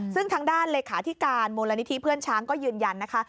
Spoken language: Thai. ซึ่งทางด้านเลขาธิการมูลนิธิเพื่อนช้างก็ยืนยันนะคะ